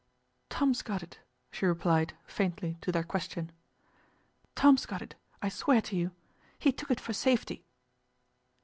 'Tom's got it,' she replied, faintly, to their question: 'Tom's got it, I swear to you. He took it for safety.